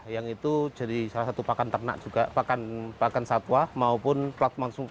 yang itu jadi salah satu pakan satwa maupun plat manggung